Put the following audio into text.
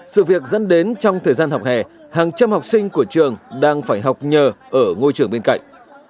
sự việc dẫn đến trong thời gian học hè hàng trăm học sinh của trường đang phải học nhờ ở ngôi trường bên cạnh